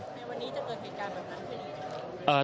ในวันนี้จะเกิดเหตุการณ์แบบนั้นพอดี